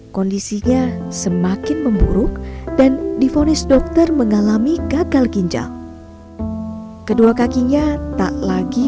kondisinya semakin memburuk dan difonis dokter mengalami gagal ginjal kedua kakinya tak lagi